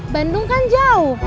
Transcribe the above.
bandung kan jauh